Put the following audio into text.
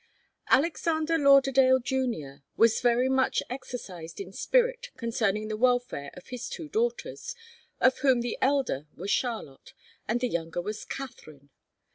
Alexander Lauderdale Junior was very much exercised in spirit concerning the welfare of his two daughters, of whom the elder was Charlotte and the younger was Katharine.